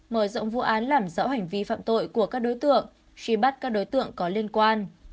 mở rộng vụ án làm rõ hành vi phạm tội của các đối tượng truy bắt các đối tượng có liên quan